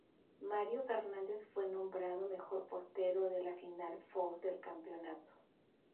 Mario Fernández fue nombrado mejor portero de la Final Four del campeonato.